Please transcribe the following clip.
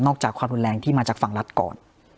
จากความรุนแรงที่มาจากฝั่งรัฐก่อน